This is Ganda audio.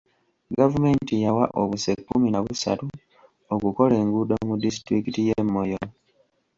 Gavumenti yawa obuse kkumi na busatu okukola enguudo mu disitulikiti y'e Moyo.